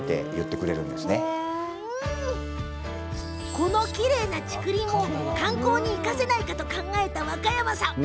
このきれいな竹林を観光に生かせないかと考えた若山さん。